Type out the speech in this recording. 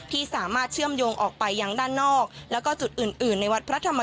ที่สามารถเชื่อมโยงออกไปยังด้านนอกแล้วก็จุดอื่นอื่นในวัดพระธรรม